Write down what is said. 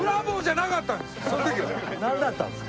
なんだったんですか？